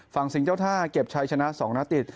ฝั่งสิงเจ้าท่าเก็บใช้ชนะ๒ณติด